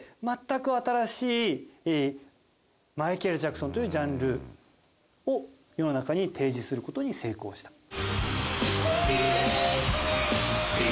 全く新しいマイケル・ジャクソンというジャンルを世の中に提示する事に成功した。